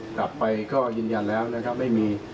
กลับไปก็ยืนยันแล้วนะครับไม่มี